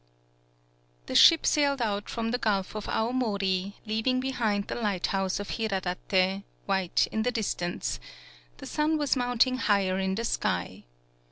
The ship sailed out from the gulf of Awomori, leaving behind the lighthouse of Hiradate, white in the distance; the sun was mounting higher in tKe sky.